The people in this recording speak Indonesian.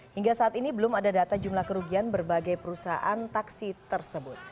hingga saat ini belum ada data jumlah kerugian berbagai perusahaan taksi tersebut